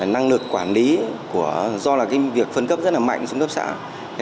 năng lực quản lý do việc phân cấp rất mạnh trong cấp xã